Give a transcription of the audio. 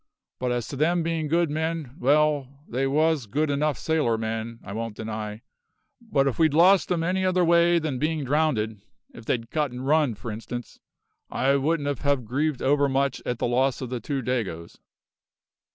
But as to them bein' good men well, they was good enough sailor men, I won't deny, but if we'd lost 'em any other way than bein' drownded if they'd cut and run, for instance I wouldn't ha' grieved overmuch at the loss of the two Dagoes."